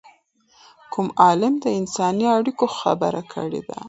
کوم عالم د انساني اړیکو خبره کړې ده؟